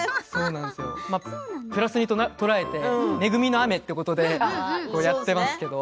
プラスに捉えて恵みの雨ということでやっていますけど。